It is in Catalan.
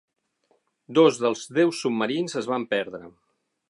Dos dels deu submarins es van perdre.